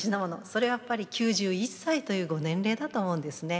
それはやっぱり９１歳というご年齢だと思うんですね。